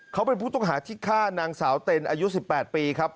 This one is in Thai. เขาเป็นผู้ต้องหาที่ฆ่านางสาวเต็นอายุ๑๘ปีครับ